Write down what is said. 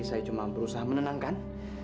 saya cuma berusaha menenangkan